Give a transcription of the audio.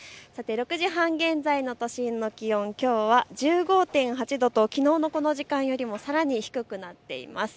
６時半現在の都心の気温、きょうは１５．８度ときのうのこの時間よりもさらに低くなっています。